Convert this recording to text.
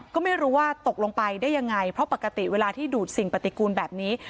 ก็ไม่รู้ว่าตกลงไปได้ยังไงเพราะปกติเวลาที่ดูดสิ่งปฏิกูลแบบนี้